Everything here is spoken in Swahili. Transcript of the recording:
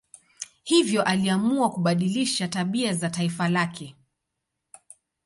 Hivyo aliamua kubadilisha tabia za taifa lake.